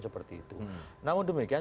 seperti itu namun demikian